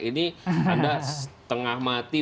ini anda setengah mati